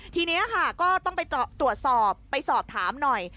ทีนี้ค่ะก็ต้องไปตรวจสอบไปสอบถามหน่อย